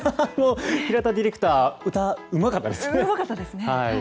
平田ディレクター歌、うまかったですね。